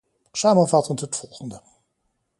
Samenvattend het volgende.